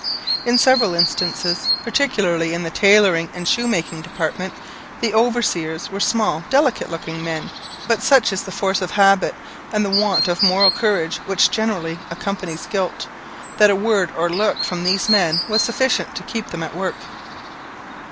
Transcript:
In several instances, particularly in the tailoring and shoemaking department, the overseers were small delicate looking men; but such is the force of habit, and the want of moral courage which generally accompanies guilt, that a word or a look from these men was sufficient to keep them at work.